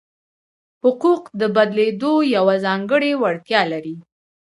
حقوق د بدلېدو یوه ځانګړې وړتیا لري.